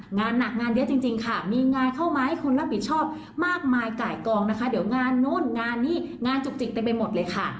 งานหนักงานเยอะจริงค่ะมีงานเข้ามาให้คนรับผิดชอบมากมายไก่กองนะคะเดี๋ยวงานนู้นงานนี้งานจุกจิกเต็มไปหมดเลยค่ะ